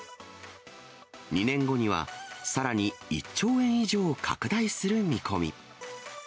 ２年後にはさらに１兆円以上拡大する見込み。